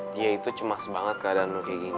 dia itu cemas banget keadaan lo kayak gini